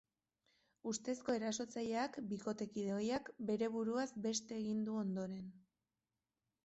Ustezko erasotzaileak, bikotekide ohiak, bere buruaz beste egin du ondoren.